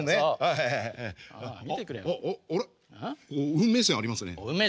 運命線ありますね。